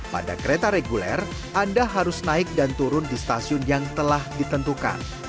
pada kereta reguler anda harus naik dan turun di stasiun yang telah ditentukan